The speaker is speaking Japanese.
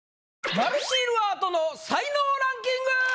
丸シールアートの才能ランキング！